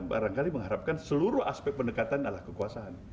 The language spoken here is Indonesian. barangkali mengharapkan seluruh aspek pendekatan adalah kekuasaan